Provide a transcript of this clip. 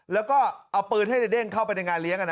แล้วก็เอาปืนให้ในเด้งเข้าไปในงานเลี้ยง